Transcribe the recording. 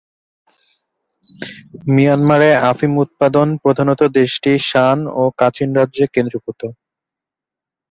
মিয়ানমারে আফিম উৎপাদন প্রধানত দেশটি শান ও কাচিন রাজ্যে কেন্দ্রীভূত।